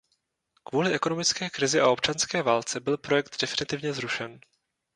Kvůli ekonomické krizi a občanské válce byl projekt definitivně zrušen.